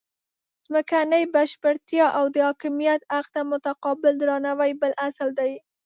ځمکنۍ بشپړتیا او د حاکمیت حق ته متقابل درناوی بل اصل دی.